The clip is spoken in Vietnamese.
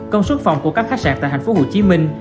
công suất phòng của các khách sạn tại thành phố hồ chí minh